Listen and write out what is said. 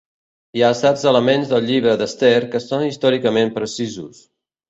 Hi ha certs elements del llibre d'Esther que són històricament precisos.